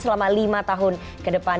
selama lima tahun ke depan